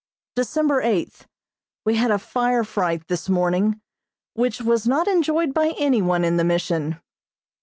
December eighth: We had a fire fright this morning, which was not enjoyed by any one in the Mission.